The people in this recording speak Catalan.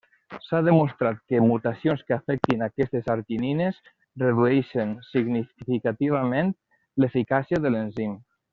S'ha demostrat que mutacions que afectin aquestes arginines redueixen significativament l'eficàcia de l'enzim.